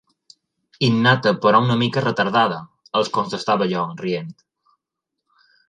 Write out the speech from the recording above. Innata però una mica retardada, els contestava jo, rient.